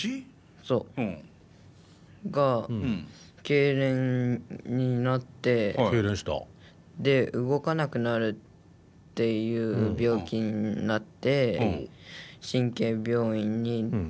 けいれんした？で動かなくなるっていう病気になって神経病院に行った。